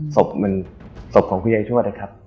ศพมันศพของคุณยายชวดนะครับ